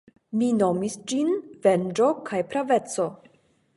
Mi nomis ĝin venĝo kaj praveco!